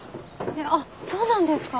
あっそうなんですか？